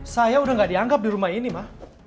saya udah gak dianggap di rumah ini mah